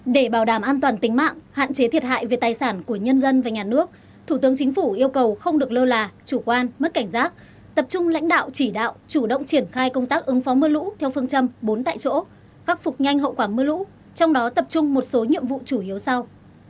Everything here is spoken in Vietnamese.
để bảo đảm an toàn tính mạng hạn chế thiệt hại về tài sản của nhân dân và nhà nước thủ tướng chính phủ yêu cầu không được lơ là chủ quan mất cảnh giác tập trung lãnh đạo chỉ đạo chủ động triển khai công tác ứng phó mưa lũ theo phương châm bốn tại chỗ khắc phục nhanh hậu quả mưa lũ trong đó tập trung một số nhiệm vụ chủ yếu sau